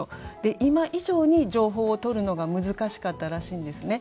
今以上に情報をとるのが難しかったらしいんですね。